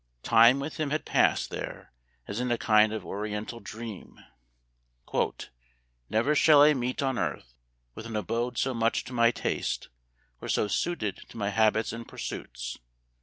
Time with him had passed there as in a kind of ori ental dream. " Never shall I meet on earth with an abode so much to my taste, or so suited to my habits and pursuits.